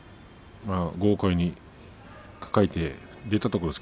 豪快に抱えて出たところです